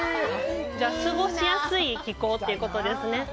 じゃあ過ごしやすい気候ということですね。